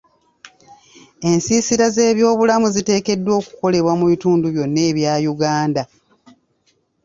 Ensiisira z'ebyobulamu ziteekeddwa okukolebwa mu bitundu byonna ebya Uganda.